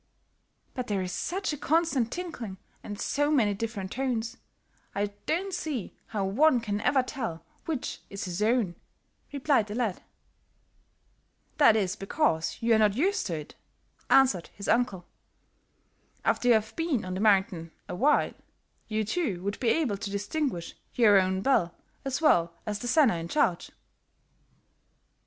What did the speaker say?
"But there is such a constant tinkling, and so many different tones, I don't see how one can ever tell which is his own," replied the lad. "That is because you are not used to it," answered his uncle. "After you have been on the mountain awhile, you, too, would be able to distinguish your own bell as well as the senner in charge."